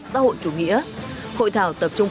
xã hội chủ nghĩa hội thảo tập trung